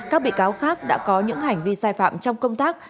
các bị cáo khác đã có những hành vi sai phạm trong công tác